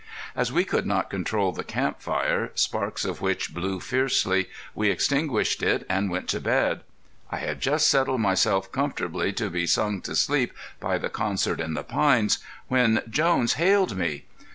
As we could not control the camp fire, sparks of which blew fiercely, we extinguished it and went to bed. I had just settled myself comfortably to be sung to sleep by the concert in the pines, when Jones hailed me.